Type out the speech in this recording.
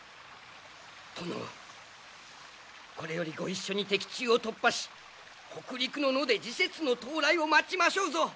殿これよりご一緒に敵中を突破し北陸の野で時節の到来を待ちましょうぞ。